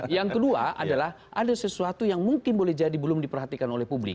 yang kedua adalah ada sesuatu yang mungkin boleh jadi belum diperhatikan oleh publik